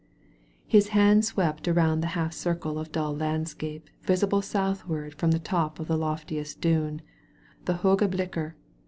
*' His hand swept around the half circle of dull landscape visible southward from the top of the loftiest dune, the Hooge Blikker.